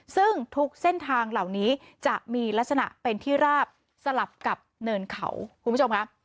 ซึ่งทุกเส้นทางเหล่านี้จะมีลักษณะเป็นที่ราบสลับกับเนินเขาคุณผู้ชมค่ะ